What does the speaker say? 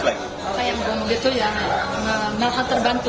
kayak yang memudik itu ya menerhantar bantu